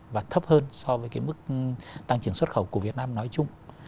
và thấp hơn so với cái mức tăng trưởng xuất khẩu của việt nam nói chung